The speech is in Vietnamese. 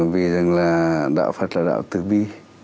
vì rằng là đạo phật là đạo từ bi